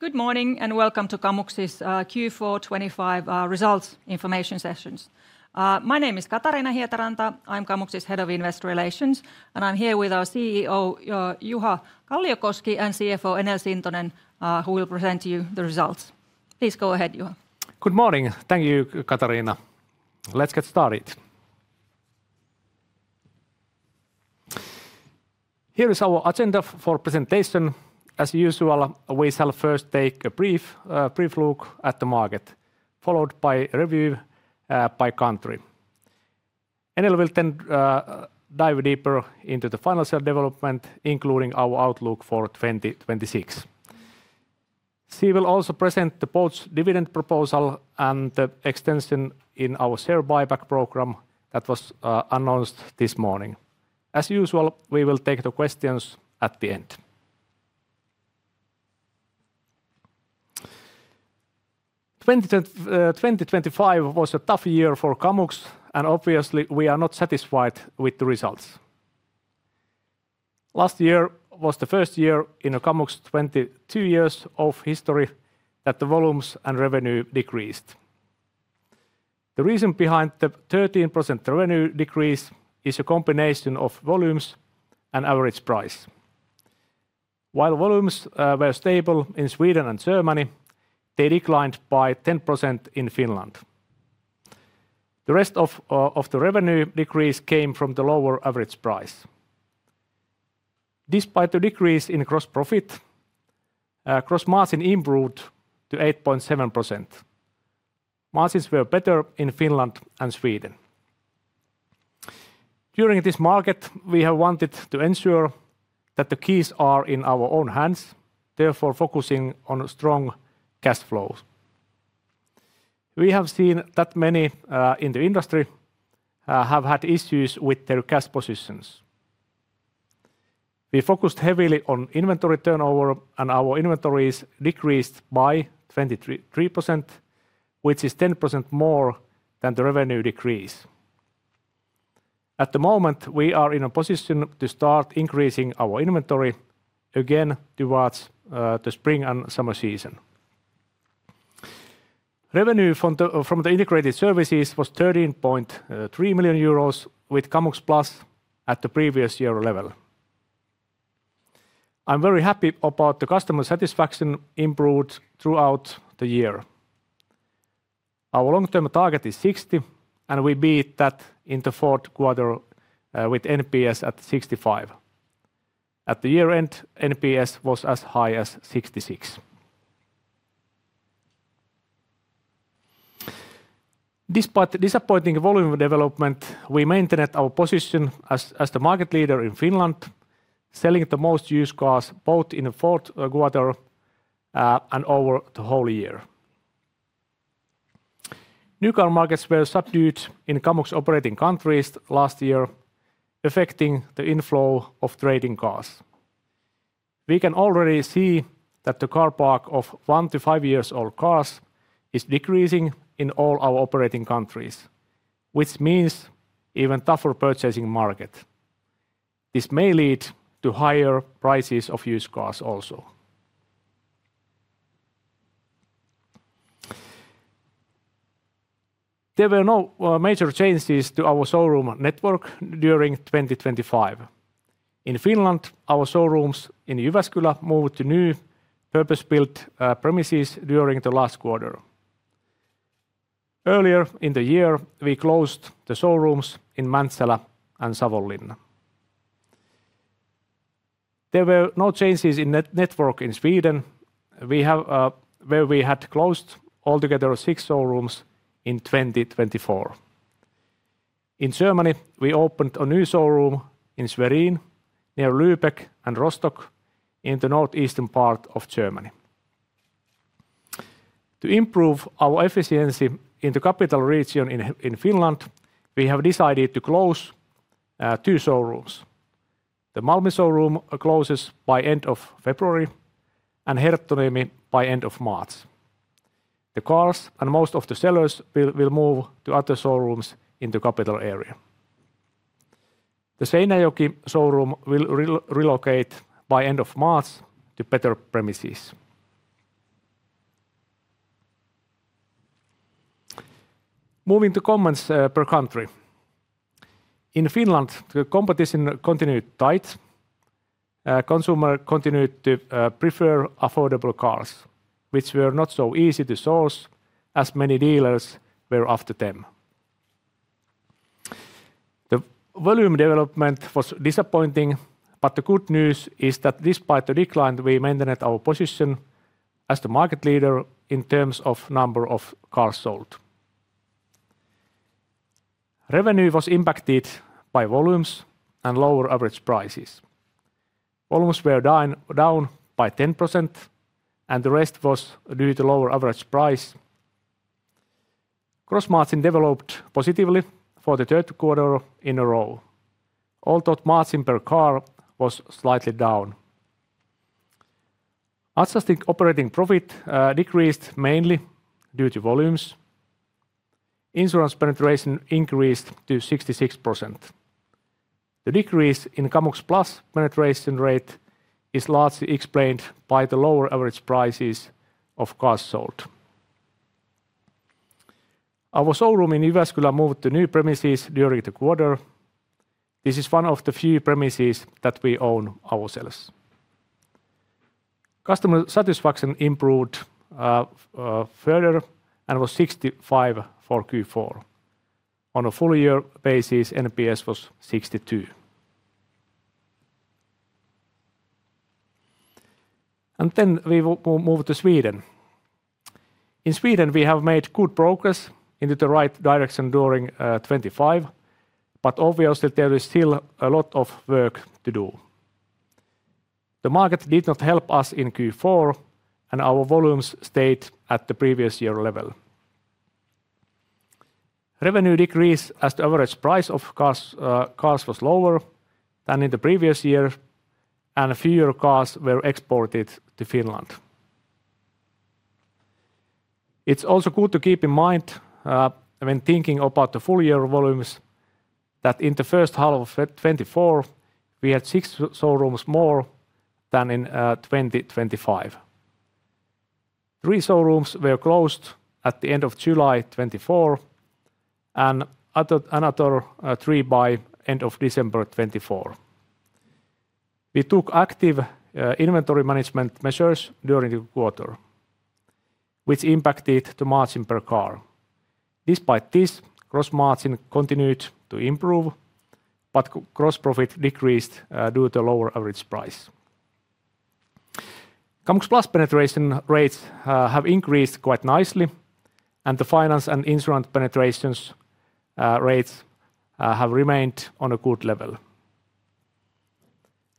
Good morning. Welcome to Kamux's Q4 2025 results information sessions. My name is Katariina Hietaranta. I'm Kamux's Head of Investor Relations, and I'm here with our CEO Juha Kalliokoski and CFO Enel Sintonen, who will present to you the results. Please go ahead, Juha. Good morning. Thank you, Katariina. Let's get started. Here is our agenda for presentation. As usual, we shall first take a brief look at the market, followed by a review by country. Enel will then dive deeper into the financial development, including our outlook for 2026. She will also present the board's dividend proposal and the extension in our share buyback program that was announced this morning. As usual, we will take the questions at the end. 2025 was a tough year for Kamux, and obviously, we are not satisfied with the results. Last year was the first year in Kamux's 22 years of history that the volumes and revenue decreased. The reason behind the 13% revenue decrease is a combination of volumes and average price. While volumes were stable in Sweden and Germany, they declined by 10% in Finland. The rest of the revenue decrease came from the lower average price. Despite the decrease in gross profit, gross margin improved to 8.7%. Margins were better in Finland and Sweden. During this market, we have wanted to ensure that the keys are in our own hands, therefore focusing on strong cash flow. We have seen that many in the industry have had issues with their cash positions. We focused heavily on inventory turnover, and our inventories decreased by 23%, which is 10% more than the revenue decrease. At the moment, we are in a position to start increasing our inventory again towards the spring and summer season. Revenue from the integrated services was 13.3 million euros, with Kamux Plus at the previous year level. I'm very happy about the customer satisfaction improved throughout the year. Our long-term target is 60, and we beat that in the fourth quarter, with NPS at 65. At the year-end, NPS was as high as 66. Despite the disappointing volume development, we maintained our position as the market leader in Finland, selling the most used cars, both in the fourth quarter and over the whole year. New car markets were subdued in Kamux operating countries last year, affecting the inflow of trading cars. We can already see that the car park of one to five years old cars is decreasing in all our operating countries, which means even tougher purchasing market. This may lead to higher prices of used cars also. There were no major changes to our showroom network during 2025. In Finland, our showrooms in Jyväskylä moved to new purpose-built premises during the last quarter. Earlier in the year, we closed the showrooms in Mäntsälä and Savonlinna. There were no changes in network in Sweden. We have where we had closed altogether six showrooms in 2024. In Germany, we opened a new showroom in Schwerin, near Lübeck and Rostock, in the northeastern part of Germany. To improve our efficiency in the capital region in Finland, we have decided to close two showrooms. The Malmi showroom closes by end of February and Herttoniemi by end of March. The cars and most of the sellers will move to other showrooms in the capital area. The Seinäjoki showroom will relocate by end of March to better premises. Moving to comments per country. In Finland, the competition continued tight. Consumer continued to prefer affordable cars, which were not so easy to source, as many dealers were after them. The volume development was disappointing, but the good news is that despite the decline, we maintained our position as the market leader in terms of number of cars sold. Revenue was impacted by volumes and lower average prices. Volumes were down by 10%, and the rest was due to lower average price. Gross margin developed positively for the third quarter in a row, although margin per car was slightly down. Adjusted operating profit decreased mainly due to volumes. Insurance penetration increased to 66%. The decrease in Kamux Plus penetration rate is largely explained by the lower average prices of cars sold. Our showroom in Jyväskylä moved to new premises during the quarter. This is one of the few premises that we own ourselves. Customer satisfaction improved further and was 65 for Q4. On a full year basis, NPS was 62. We move to Sweden. In Sweden, we have made good progress into the right direction during 2025, but obviously, there is still a lot of work to do. The market did not help us in Q4, and our volumes stayed at the previous year level. Revenue decreased as the average price of cars was lower than in the previous year, and fewer cars were exported to Finland. It's also good to keep in mind, when thinking about the full year volumes, that in the first half of 2024, we had 6 showrooms more than in 2025. Three showrooms were closed at the end of July 2024, and another three by end of December 2024. We took active inventory management measures during the quarter, which impacted the margin per car. Despite this, gross margin continued to improve, but gross profit decreased due to lower average price. Kamux Plus penetration rates have increased quite nicely, and the finance and insurance penetrations rates have remained on a good level.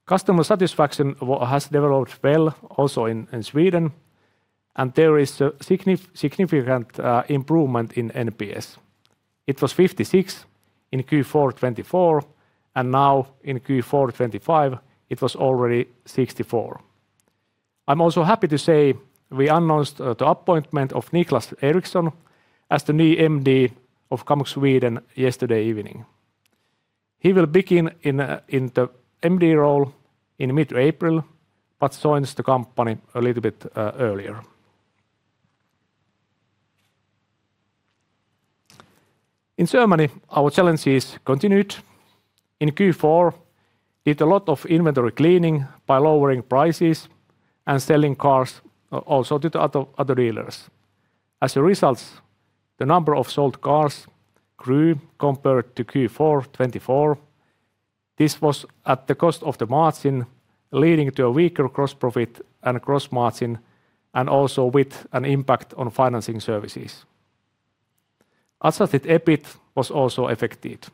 Customer satisfaction has developed well also in Sweden, and there is a significant improvement in NPS. It was 56 in Q4 2024, and now in Q4 2025, it was already 64. I'm also happy to say we announced the appointment of Niklas Eriksson as the new MD of Kamux Sweden yesterday evening. He will begin in the MD role in mid-April, but joins the company a little bit earlier. In Germany, our challenges continued. In Q4, did a lot of inventory cleaning by lowering prices and selling cars also to the other dealers. As a result, the number of sold cars grew compared to Q4 2024. This was at the cost of the margin, leading to a weaker gross profit and gross margin, and also with an impact on financing services. Adjusted EBIT was also affected.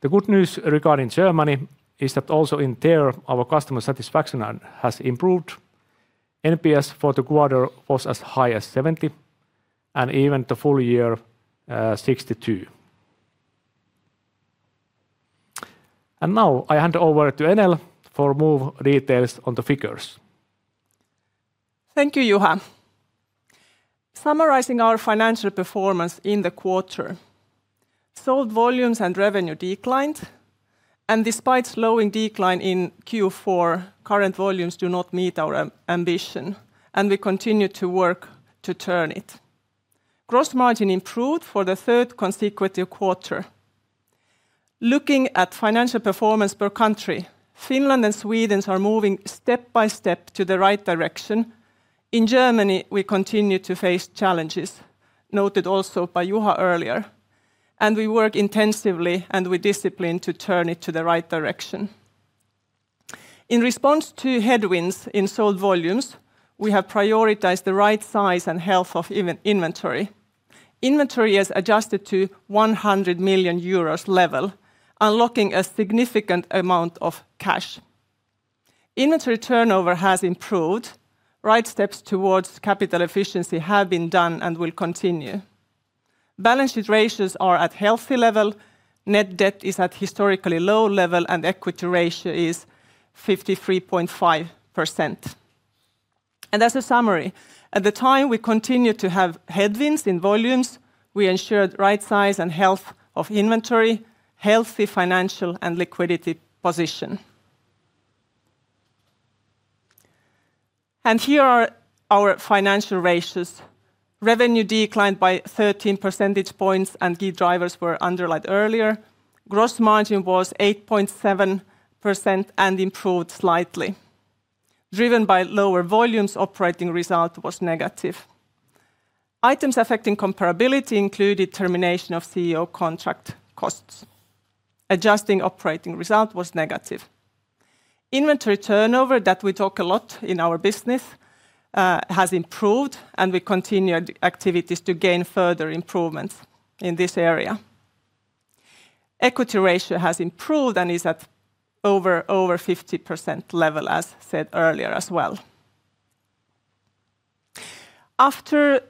The good news regarding Germany is that also in there, our customer satisfaction has improved. NPS for the quarter was as high as 70, and even the full year 62. Now I hand over to Enel for more details on the figures. Thank you, Juha. Summarizing our financial performance in the quarter, sold volumes and revenue declined, and despite slowing decline in Q4, current volumes do not meet our ambition, and we continue to work to turn it. Gross margin improved for the third consecutive quarter. Looking at financial performance per country, Finland and Sweden are moving step by step to the right direction. In Germany, we continue to face challenges, noted also by Juha earlier, and we work intensively and with discipline to turn it to the right direction. In response to headwinds in sold volumes, we have prioritized the right size and health of inventory. Inventory is adjusted to 100 million euros level, unlocking a significant amount of cash. Inventory turnover has improved. Right steps towards capital efficiency have been done and will continue. Balance sheet ratios are at healthy level, net debt is at historically low level, and equity ratio is 53.5%. As a summary, at the time, we continue to have headwinds in volumes, we ensured right size and health of inventory, healthy financial and liquidity position. Here are our financial ratios. Revenue declined by 13 percentage points, and key drivers were underlined earlier. Gross margin was 8.7% and improved slightly. Driven by lower volumes, operating result was negative. Items affecting comparability included termination of CEO contract costs. Adjusting operating result was negative. Inventory turnover, that we talk a lot in our business, has improved, and we continued activities to gain further improvements in this area. Equity ratio has improved and is at over 50% level, as said earlier as well. After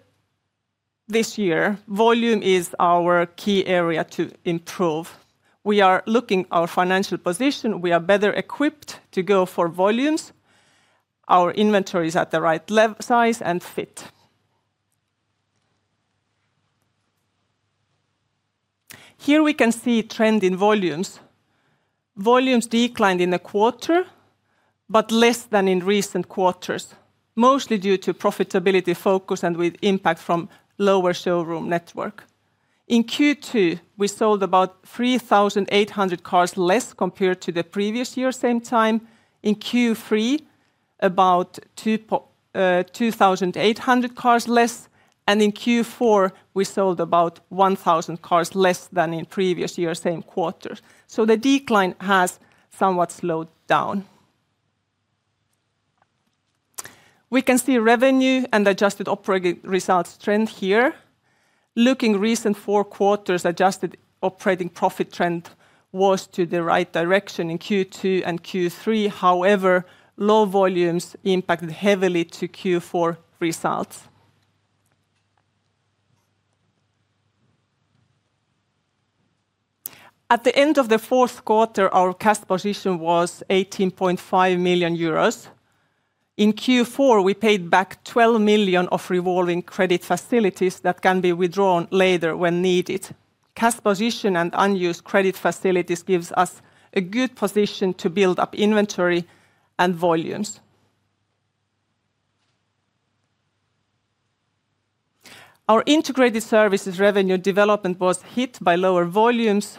this year, volume is our key area to improve. We are looking our financial position. We are better equipped to go for volumes. Our inventory is at the right size and fit. Here we can see trend in volumes. Volumes declined in the quarter, but less than in recent quarters, mostly due to profitability focus and with impact from lower showroom network. In Q2, we sold about 3,800 cars less compared to the previous year same time. In Q3, about 2,800 cars less. In Q4, we sold about 1,000 cars less than in previous year same quarter. The decline has somewhat slowed down. We can see revenue and adjusted operating results trend here. Looking recent four quarters, adjusted operating profit trend was to the right direction in Q2 and Q3. However, low volumes impacted heavily to Q4 results. At the end of the fourth quarter, our cash position was 18.5 million euros. In Q4, we paid back 12 million of revolving credit facilities that can be withdrawn later when needed. Cash position and unused credit facilities gives us a good position to build up inventory and volumes. Our integrated services revenue development was hit by lower volumes.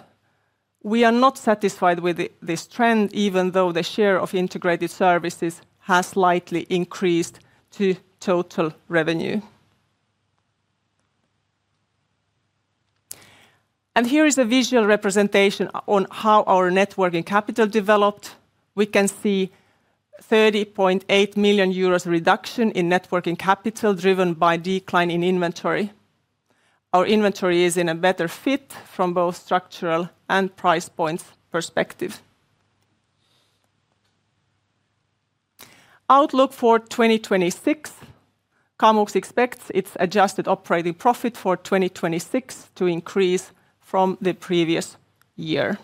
We are not satisfied with this trend, even though the share of integrated services has slightly increased to total revenue. Here is a visual representation on how our net working capital developed. We can see 30.8 million euros reduction in net working capital, driven by decline in inventory. Our inventory is in a better fit from both structural and price points perspective. Outlook for 2026, Kamux expects its adjusted operating profit for 2026 to increase from the previous year.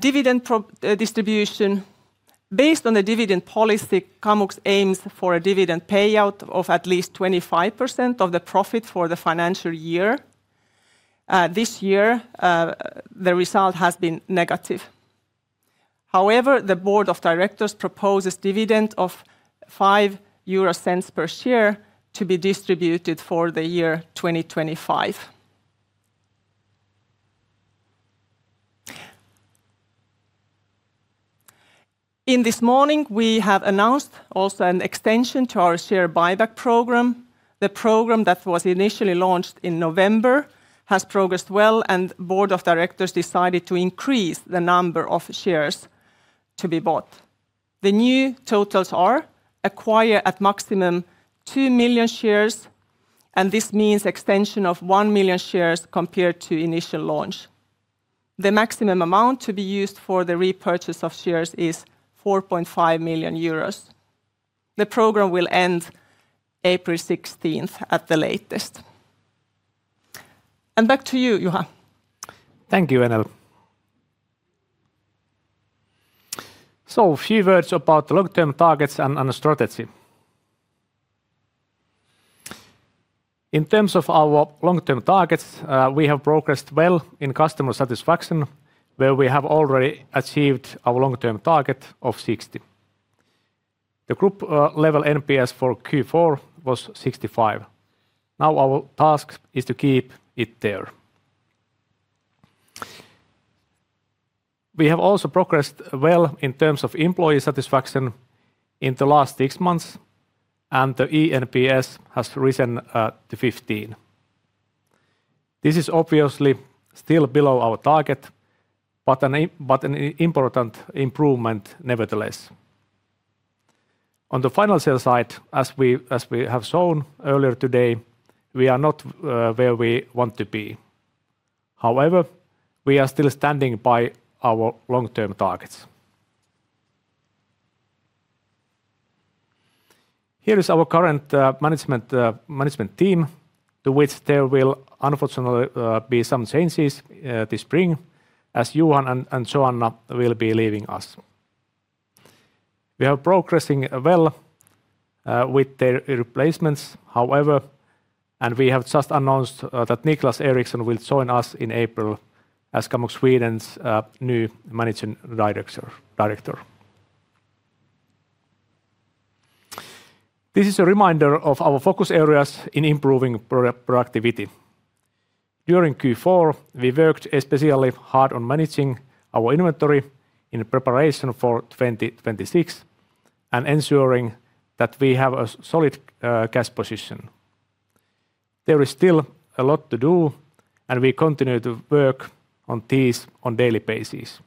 Dividend pro distribution. Based on the dividend policy, Kamux aims for a dividend payout of at least 25% of the profit for the financial year. This year, the result has been negative. However, the board of directors proposes dividend of 0.5 per share to be distributed for the year 2025. In this morning, we have announced also an extension to our share buyback program. The program that was initially launched in November, has progressed well, and board of directors decided to increase the number of shares to be bought. The new totals are: acquire at maximum two million shares, and this means extension of one million shares compared to initial launch. The maximum amount to be used for the repurchase of shares is 4.5 million euros. The program will end April 16th at the latest. Back to you, Juha. Thank you, Enel. A few words about long-term targets and strategy. In terms of our long-term targets, we have progressed well in customer satisfaction, where we have already achieved our long-term target of 60. The group level NPS for Q4 was 65. Our task is to keep it there. We have also progressed well in terms of employee satisfaction in the last six months, and the eNPS has risen to 15. This is obviously still below our target, but an important improvement, nevertheless. On the financial side, as we have shown earlier today, we are not where we want to be. However, we are still standing by our long-term targets. Here is our current management team, to which there will unfortunately be some changes this spring, as Johan and Joanna will be leaving us. We are progressing well with their replacements, however, and we have just announced that Niklas Eriksson will join us in April as Kamux Sweden's new managing director. This is a reminder of our focus areas in improving productivity. During Q4, we worked especially hard on managing our inventory in preparation for 2026 and ensuring that we have a solid cash position. There is still a lot to do, and we continue to work on these on daily basis.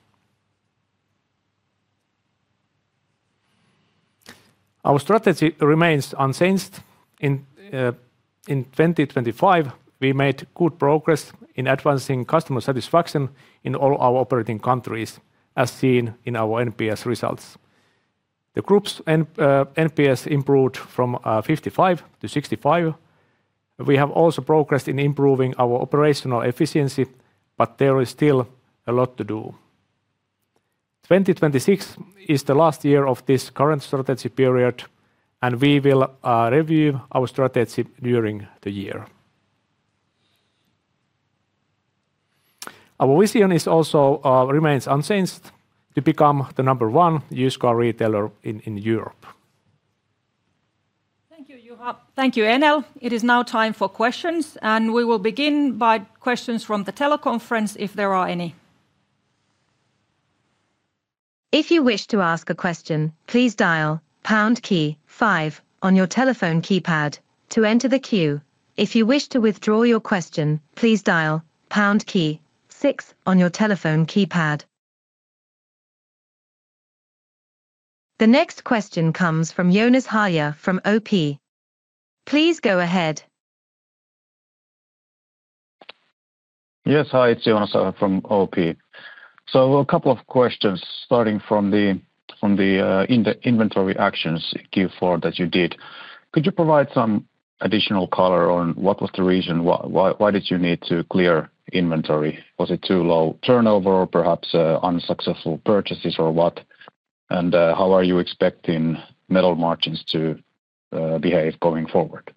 Our strategy remains unchanged. In 2025, we made good progress in advancing customer satisfaction in all our operating countries, as seen in our NPS results.... The group's NPS improved from 55-65. We have also progressed in improving our operational efficiency, but there is still a lot to do. 2026 is the last year of this current strategy period, and we will review our strategy during the year. Our vision also remains unchanged: to become the number one used car retailer in Europe. Thank you, Juha. Thank you, Enel. It is now time for questions. We will begin by questions from the teleconference, if there are any. If you wish to ask a question, please dial pound key five on your telephone keypad to enter the queue. If you wish to withdraw your question, please dial pound key six on your telephone keypad. The next question comes from Jonas Harju from OP. Please go ahead. Yes, hi, it's Jonas from OP. A couple of questions, starting from the inventory actions in Q4 that you did. Could you provide some additional color on what was the reason? Why did you need to clear inventory? Was it too low turnover or perhaps unsuccessful purchases or what? How are you expecting metal margins to behave going forward?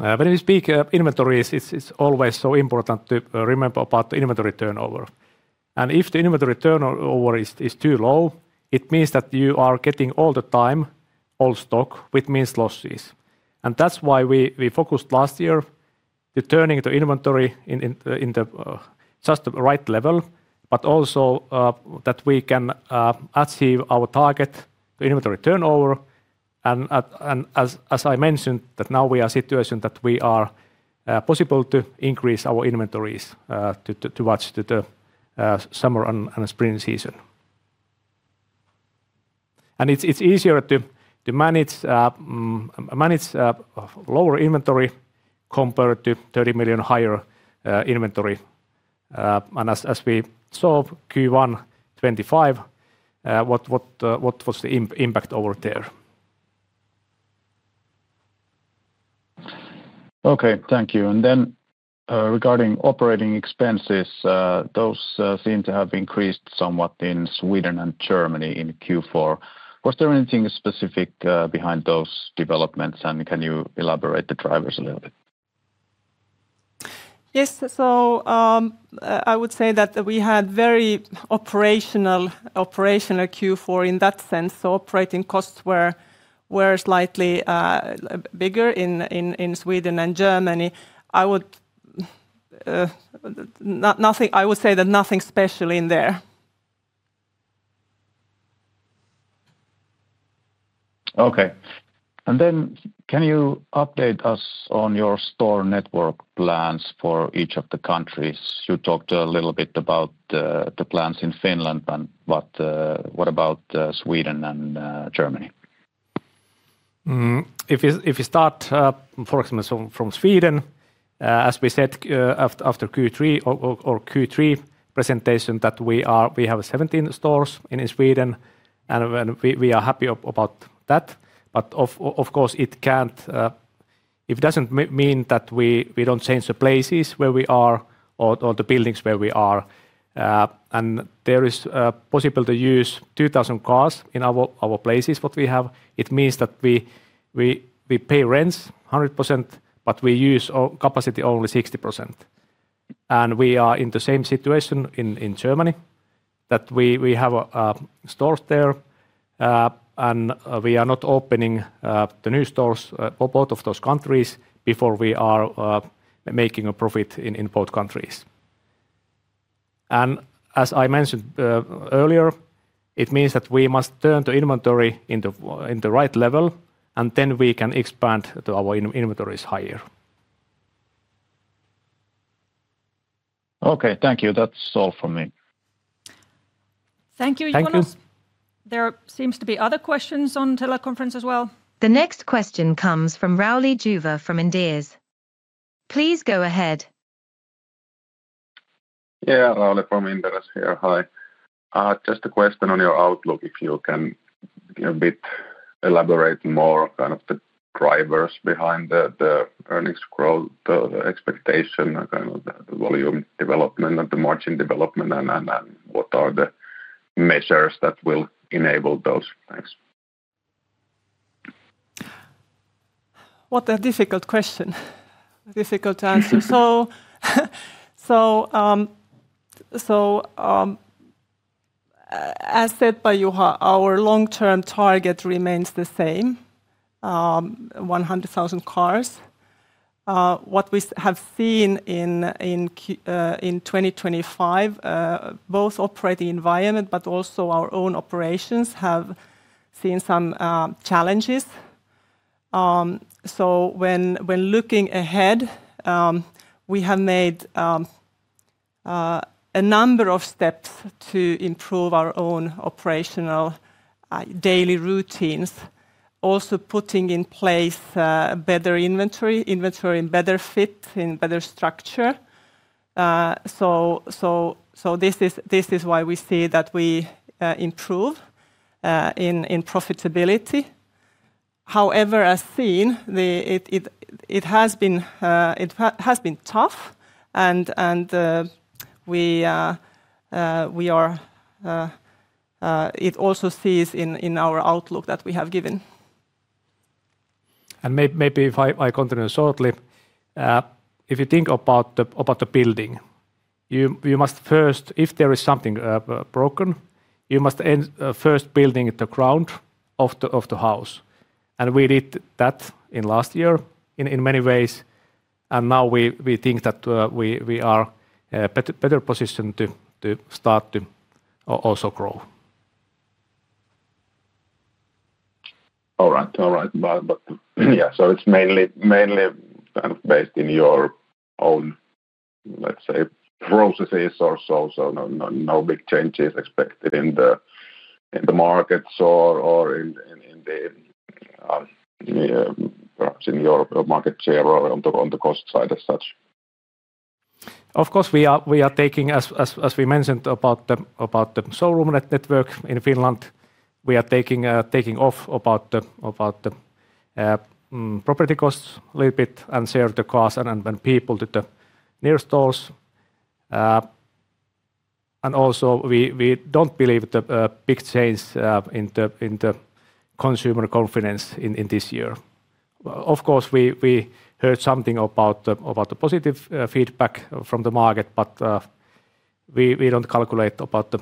When you speak of inventories, it's always so important to remember about the inventory turnover. If the inventory turnover is too low, it means that you are getting all the time old stock, which means losses. That's why we focused last year to turning the inventory in the just the right level, but also that we can achieve our target, the inventory turnover. As I mentioned, that now we are situation that we are possible to increase our inventories towards to the summer and spring season. It's easier to manage lower inventory compared to 30 million higher inventory. As we saw Q1 2025, what was the impact over there? Okay, thank you. Regarding operating expenses, those seem to have increased somewhat in Sweden and Germany in Q4. Was there anything specific behind those developments, and can you elaborate the drivers a little bit? I would say that we had very operational Q4 in that sense. Operating costs were slightly bigger in Sweden and Germany. Nothing, I would say that nothing special in there. Okay. Then can you update us on your store network plans for each of the countries? You talked a little bit about the plans in Finland and what about Sweden and Germany? If you start, for example, from Sweden, as we said, after Q3 or Q3 presentation, that we have 17 stores in Sweden. We are happy about that. Of course, it doesn't mean that we don't change the places where we are or the buildings where we are. There is possible to use 2,000 cars in our places what we have. It means that we pay rents 100%, but we use capacity only 60%. We are in the same situation in Germany, that we have stores there, and we are not opening the new stores for both of those countries before we are making a profit in both countries. As I mentioned, earlier, it means that we must turn the inventory in the right level, and then we can expand to our inventories higher. Okay, thank you. That's all for me. Thank you, Jonas. Thank you. There seems to be other questions on teleconference as well. The next question comes from Rauli Juva from Inderes. Please go ahead. Rauli from Inderes here. Hi. Just a question on your outlook, if you can a bit elaborate more kind of the drivers behind the earnings growth, the expectation and kind of the volume development and the margin development and what are the measures that will enable those? Thanks. What a difficult question. Difficult to answer. As said by Juha, our long-term target remains the same, 100,000 cars. What we have seen in 2025, both operating environment but also our own operations, have seen some challenges. When we're looking ahead, we have made a number of steps to improve our own operational daily routines. Also, putting in place better inventory in better fit, in better structure. This is why we see that we improve in profitability. However, as seen, it has been tough and we are it also sees in our outlook that we have given. Maybe if I continue shortly. If you think about the building, you must first... If there is something broken, you must end first building the ground of the house. We did that in last year in many ways, and now we think that we are better positioned to start to also grow. All right. All right. yeah, so it's mainly, kind of, based in your own, let's say, processes or so no big changes expected in the markets or in the, perhaps in your market share or on the cost side as such? Of course, we are taking as we mentioned about the showroom network in Finland, we are taking off about the property costs a little bit and share the cost and people to the near stores. Also, we don't believe the big change in the consumer confidence in this year. Of course, we heard something about the positive feedback from the market, but we don't calculate about the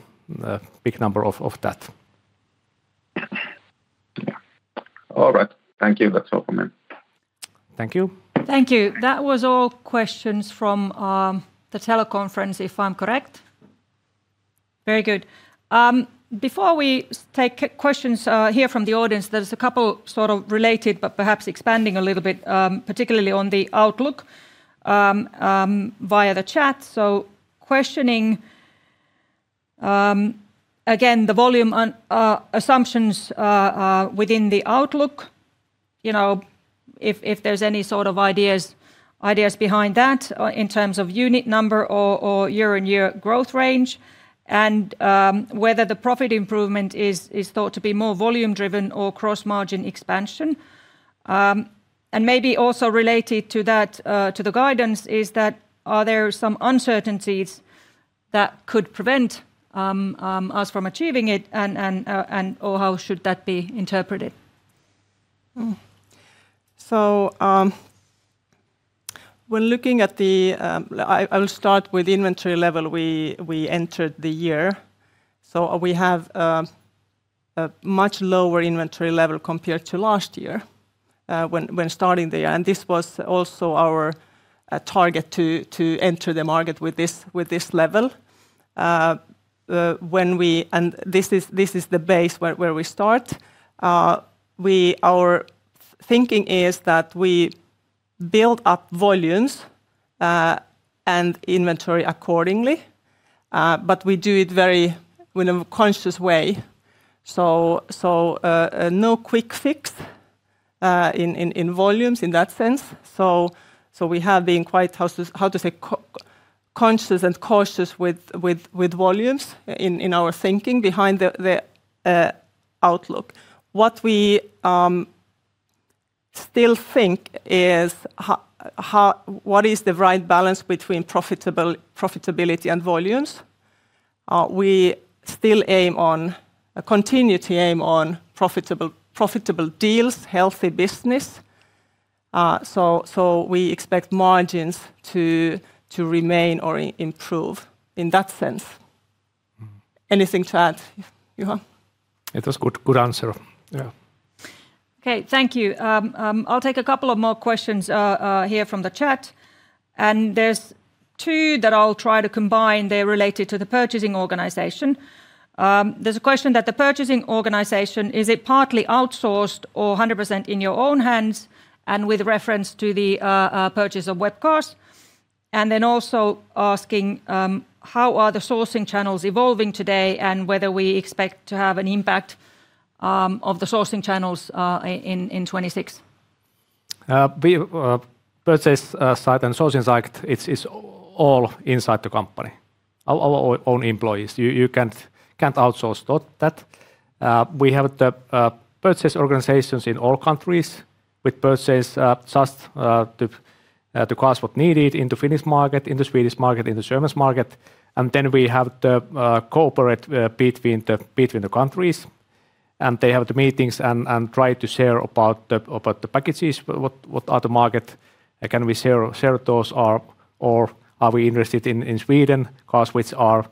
big number of that. Yeah. All right. Thank you. That's all for me. Thank you. Thank you. That was all questions from the teleconference, if I'm correct? Very good. Before we take questions here from the audience, there's a couple sort of related, but perhaps expanding a little bit, particularly on the outlook via the chat. Questioning again, the volume on assumptions within the outlook, you know, if there's any sort of ideas behind that in terms of unit number or year-on-year growth range, and whether the profit improvement is thought to be more volume-driven or cross-margin expansion. Maybe also related to that to the guidance, is that are there some uncertainties that could prevent us from achieving it, and or how should that be interpreted? When looking at the... I'll start with the inventory level we entered the year. We have a much lower inventory level compared to last year, when starting the year, and this was also our target to enter the market with this level. When we... And this is the base where we start. Our thinking is that we build up volumes and inventory accordingly, but we do it very in a conscious way. No quick fix in volumes in that sense. We have been quite, how to say, conscious and cautious with volumes in our thinking behind the outlook. What we still think is how, what is the right balance between profitability and volumes? We still aim on, continue to aim on profitable deals, healthy business. We expect margins to remain or improve in that sense. Anything to add, Juha? It was good. Good answer. Yeah. Okay, thank you. I'll take a couple of more questions here from the chat. There's two that I'll try to combine. They're related to the purchasing organization. There's a question that the purchasing organization, is it partly outsourced or 100% in your own hands, and with reference to the purchase of WebCars? Then also asking, how are the sourcing channels evolving today, and whether we expect to have an impact of the sourcing channels in 2026? We purchase side and sourcing side, it's all inside the company, our own employees. You can't outsource that. We have the purchase organizations in all countries with purchase just to cost what needed in the Finnish market, in the Swedish market, in the German market. Then we have the cooperate between the countries, and they have the meetings and try to share about the packages, what are the market, and can we share those or are we interested in Swedish cars, which are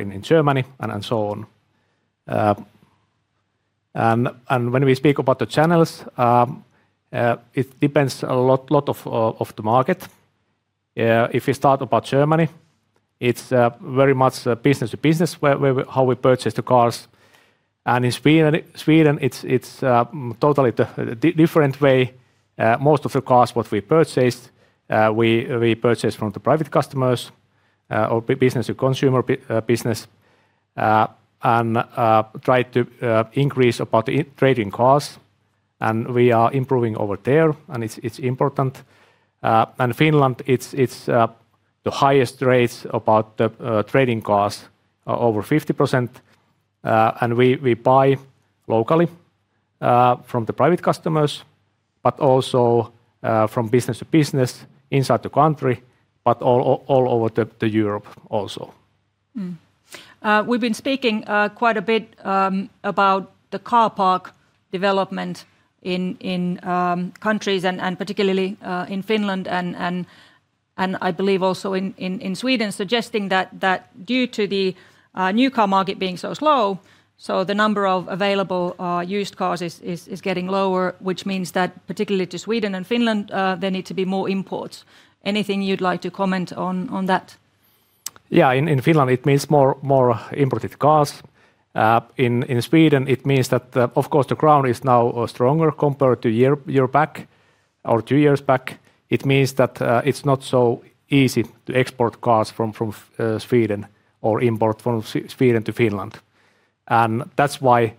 in Germany, and so on. When we speak about the channels, it depends a lot of the market. If you start about Germany, it's very much a business to business, where we, how we purchase the cars. In Sweden it's totally the different way. Most of the cars what we purchased, we purchase from the private customers, or business to consumer, and try to increase about the trading costs, and we are improving over there, and it's important. Finland, it's the highest rates about the trading costs, over 50%. We buy locally from the private customers, but also from business to business inside the country, but all over the Europe also. We've been speaking quite a bit about the car park development in countries and particularly in Finland, and I believe also in Sweden, suggesting that due to the new car market being so slow, so the number of available used cars is getting lower, which means that particularly to Sweden and Finland, there need to be more imports. Anything you'd like to comment on that? Yeah, in Finland, it means more imported cars. In Sweden, it means that, of course, the crown is now stronger compared to year back or two years back. It means that it's not so easy to export cars from Sweden or import from Sweden to Finland. That's why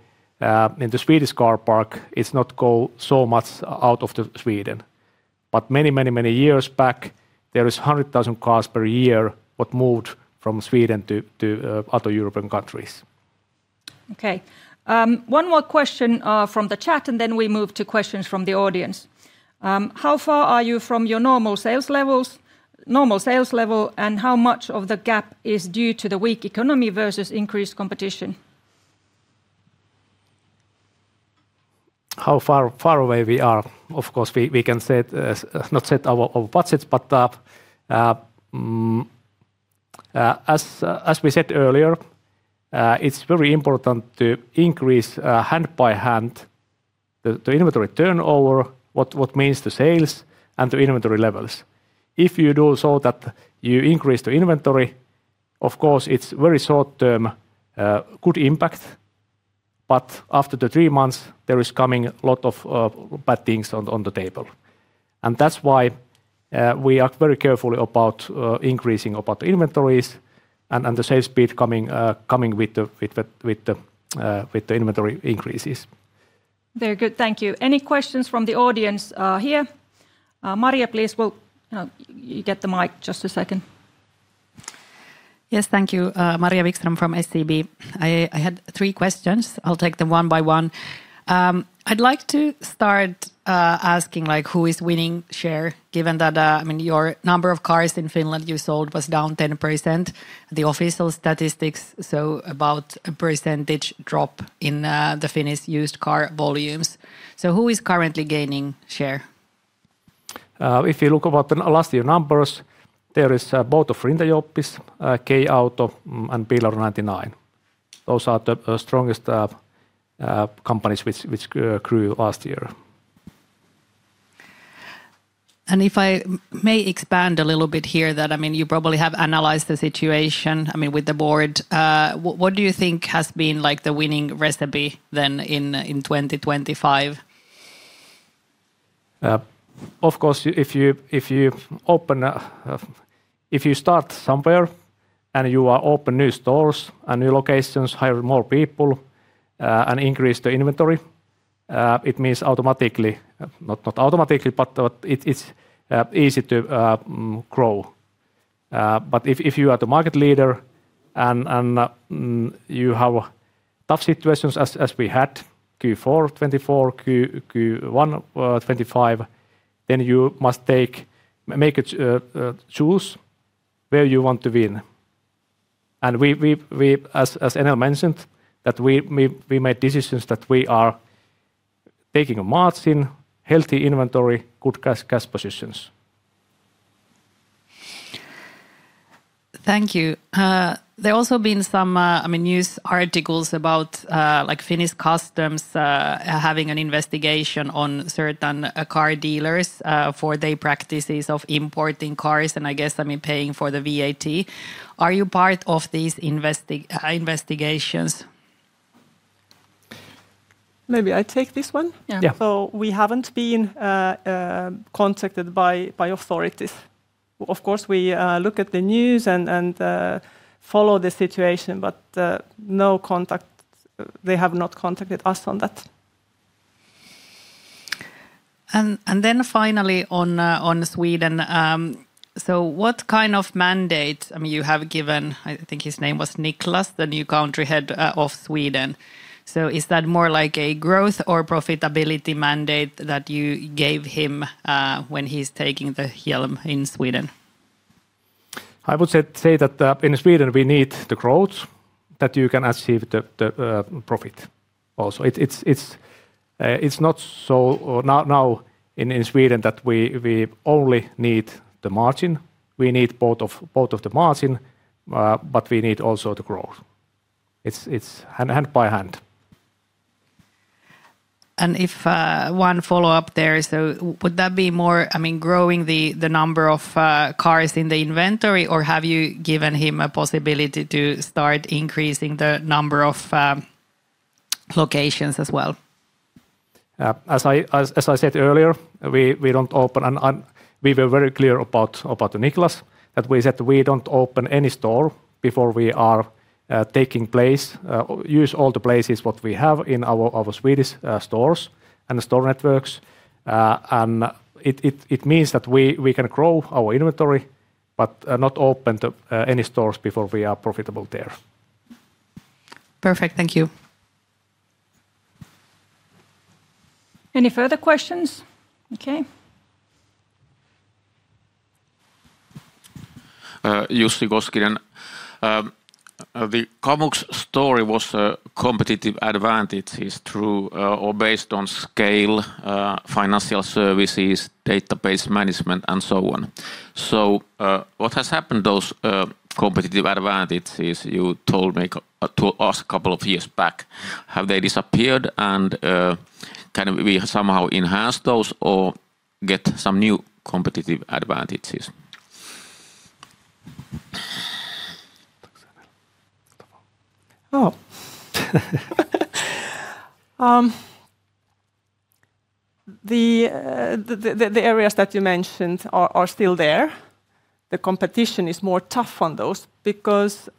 in the Swedish car park, it's not go so much out of the Sweden. Many years back, there is 100,000 cars per year what moved from Sweden to other European countries. Okay. One more question, from the chat, and then we move to questions from the audience. How far are you from your normal sales level, and how much of the gap is due to the weak economy versus increased competition? How far away we are? Of course, we can say, not set our budgets, but as we said earlier, it's very important to increase hand by hand the inventory turnover, what means the sales and the inventory levels. If you do so that you increase the inventory, of course, it's very short-term good impact, but after the three months, there is coming a lot of bad things on the table. That's why we are very careful about increasing about the inventories and the sale speed coming with the inventory increases. Very good, thank you. Any questions from the audience, here? Maria, please, well... You get the mic, just a second. Yes, thank you. Maria Wikström from SEB. I had three questions. I'll take them one by one. I'd like to start asking, like, who is winning share, given that, I mean, your number of cars in Finland you sold was down 10%. The official statistics, so about a percentage drop in the Finnish used car volumes. Who is currently gaining share? If you look about the last year numbers, there is both of Rinta-Joupin Autoliike, K Auto, and Bilia. Those are the strongest companies which grew last year. If I may expand a little bit here, that, I mean, you probably have analyzed the situation, I mean, with the board. What do you think has been, like, the winning recipe then in 2025? Of course, if you open a, if you start somewhere, and you open new stores and new locations, hire more people, and increase the inventory, it means automatically, not automatically, but it's easy to grow. If you are the market leader and you have tough situations as we had, Q4 2024, Q1 2025, you must make a choose where you want to win. We, as Enel mentioned, that we made decisions that we are taking a margin, healthy inventory, good cash positions. Thank you. There also been some, I mean, news articles about, like Finnish Customs, having an investigation on certain car dealers, for their practices of importing cars, and I guess, I mean, paying for the VAT. Are you part of these investigations? Maybe I take this one? Yeah. Yeah. We haven't been contacted by authorities. Of course, we look at the news and follow the situation, but no contact. They have not contacted us on that. Then finally on Sweden, what kind of mandate, I mean, you have given, I think his name was Niklas, the new country head of Sweden? Is that more like a growth or profitability mandate that you gave him when he's taking the helm in Sweden? I would say that in Sweden, we need the growth, that you can achieve the profit also. It's not so now in Sweden that we only need the margin. We need both of the margin, but we need also the growth. It's hand by hand. If, 1 follow-up there is, would that be more, I mean, growing the number of cars in the inventory, or have you given him a possibility to start increasing the number of locations as well? As I said earlier, we don't open. We were very clear about Niklas, that we said we don't open any store before we are taking place, use all the places what we have in our Swedish stores and the store networks. It means that we can grow our inventory but not open any stores before we are profitable there. Perfect. Thank you. Any further questions? Okay. Jussi Koskinen. The Kamux story was competitive advantages through or based on scale, financial services, database management, and so on. What has happened those competitive advantages you told me to us a couple of years back? Have they disappeared? Can we somehow enhance those or get some new competitive advantages? Oh. The areas that you mentioned are still there. The competition is more tough on those because,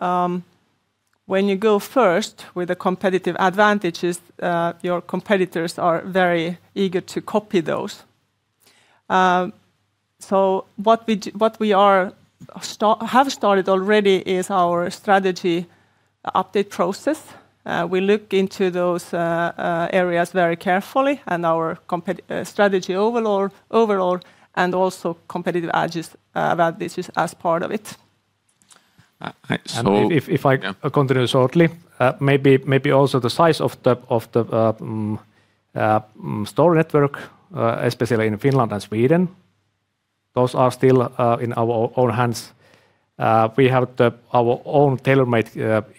when you go first with the competitive advantages, your competitors are very eager to copy those. What we have started already is our strategy update process. We look into those areas very carefully, and our strategy overall, and also competitive edges, advantages as part of it. Uh, so. if I. Yeah. continue shortly, maybe also the size of the store network, especially in Finland and Sweden, those are still in our own hands. We have our own tailor-made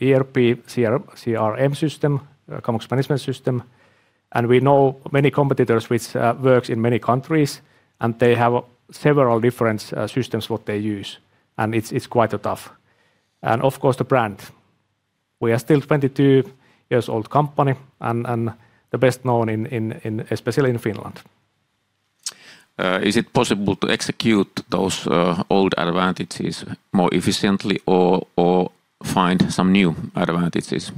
ERP, CRM system, Kamux management system, and we know many competitors which works in many countries, and they have several different systems what they use, and it's quite tough. Of course, the brand. We are still 22 years old company and the best known in especially in Finland. Is it possible to execute those old advantages more efficiently or find some new advantages?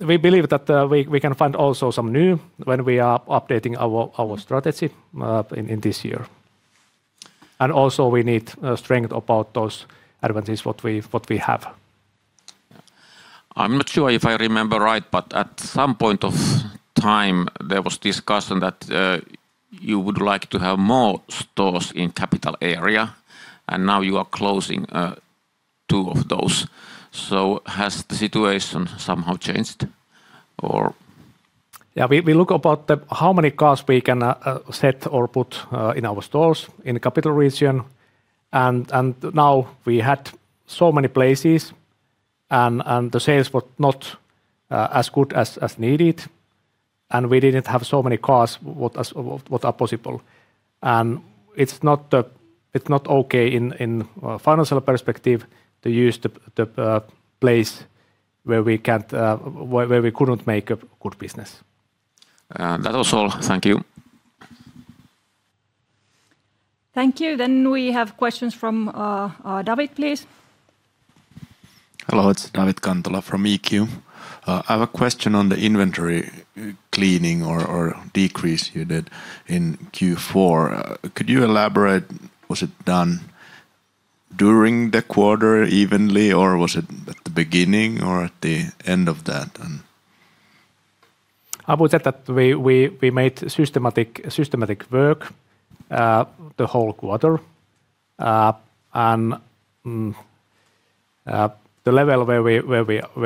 We believe that we can find also some new when we are updating our strategy in this year. We need strength about those advantages what we have. I'm not sure if I remember right, but at some point of time, there was discussion that, you would like to have more stores in capital area, and now you are closing, two of those. Has the situation somehow changed, or...? Yeah, we look about the how many cars we can set or put in our stores in the capital region. Now we had so many places, and the sales were not as good as needed, and we didn't have so many cars what as, what are possible. It's not okay in financial perspective to use the place where we couldn't make a good business. That was all. Thank you. Thank you. We have questions from Davit Kantola, please. Hello, it's Davit Kantola from eQ. I have a question on the inventory, cleaning or decrease you did in Q4. Could you elaborate, was it done during the quarter evenly, or was it at the beginning or at the end of that, and...? I would say that we made systematic work the whole quarter. The level where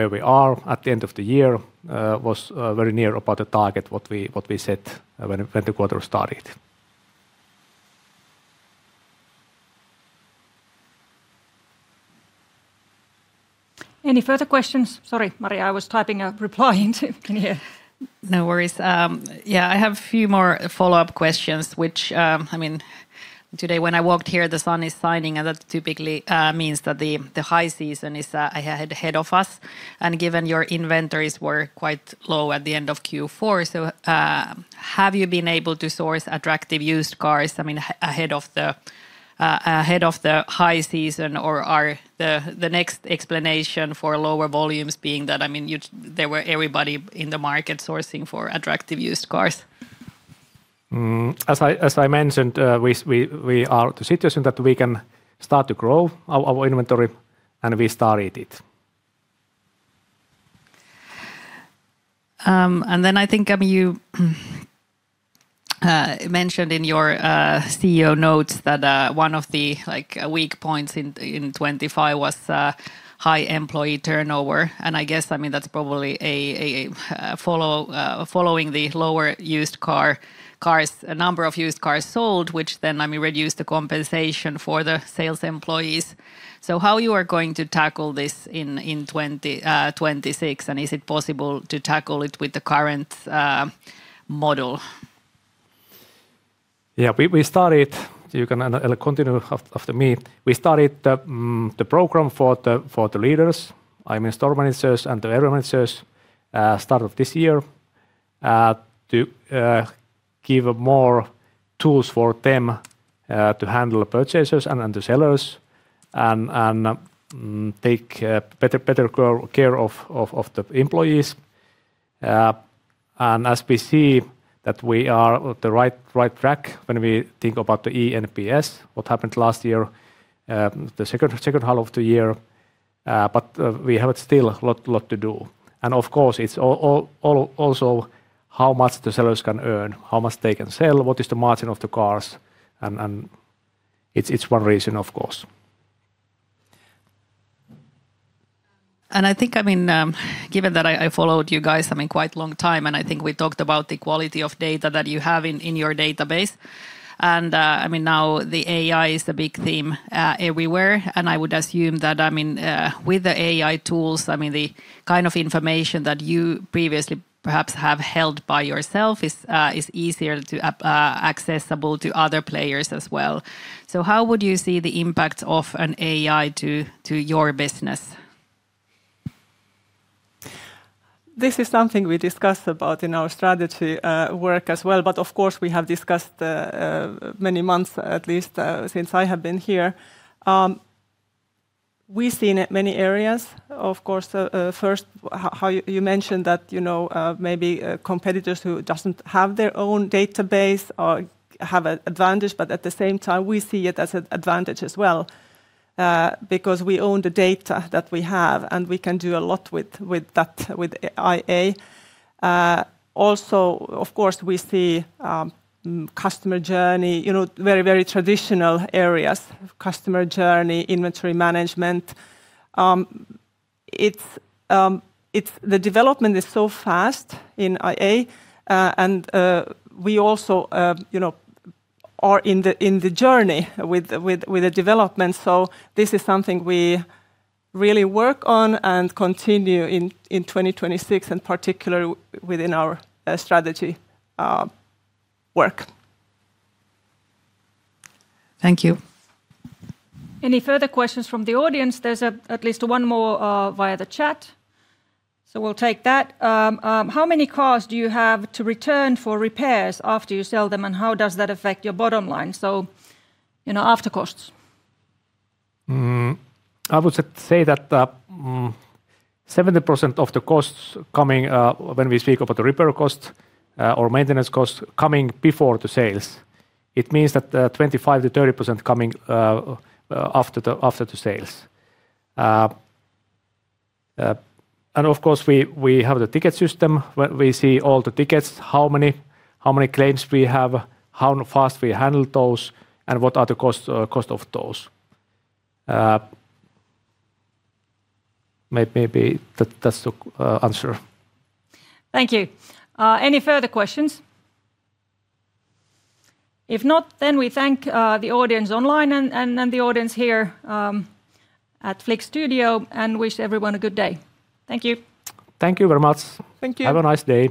we are at the end of the year was very near about the target what we set when the quarter started. Any further questions? Sorry, Maria, I was typing a reply into here. No worries. Yeah, I have a few more follow-up questions, which, I mean, today when I walked here, the sun is shining, and that typically means that the high season is ahead of us. Given your inventories were quite low at the end of Q4, have you been able to source attractive used cars, I mean, ahead of the high season, or are the next explanation for lower volumes being that, I mean, there were everybody in the market sourcing for attractive used cars? As I mentioned, we are the situation that we can start to grow our inventory, and we started it. I think, I mean, you mentioned in your CEO notes that one of the, like, weak points in 2025 was high employee turnover, I guess, I mean, that's probably following the lower used cars, number of used cars sold, which then, I mean, reduced the compensation for the sales employees. How you are going to tackle this in 2026, and is it possible to tackle it with the current model? Yeah, we started, you can continue after me. We started the program for the leaders, I mean, store managers and the area managers, start of this year, to give more tools for them, to handle purchasers and the sellers, and take better care of the employees. As we see that we are on the right track when we think about the eNPS, what happened last year, the second half of the year, we have still a lot to do. Of course, it's also how much the sellers can earn, how much they can sell, what is the margin of the cars, and it's one reason, of course. I think, I mean, given that I followed you guys, I mean, quite a long time, and I think we talked about the quality of data that you have in your database. I mean, now the AI is the big theme, everywhere, and I would assume that, I mean, with the AI tools, I mean, the kind of information that you previously perhaps have held by yourself is easier accessible to other players as well. How would you see the impact of an AI to your business? This is something we discussed about in our strategy work as well. Of course, we have discussed many months, at least, since I have been here. We've seen it many areas. Of course, the first, how you mentioned that, you know, maybe competitors who doesn't have their own database or have an advantage, but at the same time, we see it as an advantage as well, because we own the data that we have, and we can do a lot with that, with AI. Of course, we see customer journey, you know, very, very traditional areas: customer journey, inventory management. The development is so fast in AI, and we also, you know, are in the journey with the development. This is something we really work on and continue in 2026, and particularly within our strategy work. Thank you. Any further questions from the audience? There's a at least one more, via the chat, so we'll take that. How many cars do you have to return for repairs after you sell them, and how does that affect your bottom line? You know, after costs. I would say that 70% of the costs coming, when we speak about the repair cost or maintenance cost, coming before the sales. It means that 25%-30% coming after the sales. Of course, we have the ticket system, where we see all the tickets, how many claims we have, how fast we handle those, and what are the cost of those. Maybe that's the answer. Thank you. Any further questions? If not, we thank the audience online and the audience here at Flik Studio, wish everyone a good day. Thank you! Thank you very much. Thank you. Have a nice day.